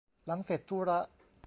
หลังเสร็จธุระ